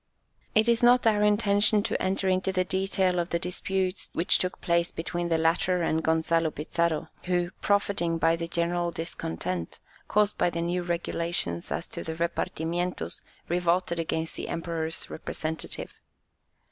It is not our intention to enter into the detail of the disputes which took place between the latter and Gonzalo Pizarro, who, profiting by the general discontent, caused by the new regulations as to the "repartimientos," revolted against the Emperor's representative.